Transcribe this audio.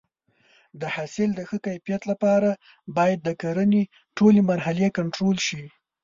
د حاصل د ښه کیفیت لپاره باید د کرنې ټولې مرحلې کنټرول شي.